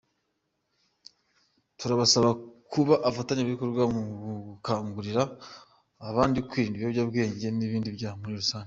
Turabasaba kuba abafatanyabikorwa mu gukangurira abandi kwirinda ibiyobyabwenge n’ibindi byaha muri rusange."